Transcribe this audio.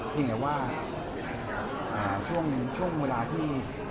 ที่เหนือว่าช่วงเวลาที่